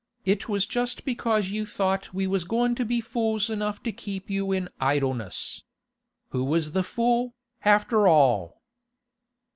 'It was just because you thought we was goin' to be fools enough to keep you in idleness. Who was the fool, after all?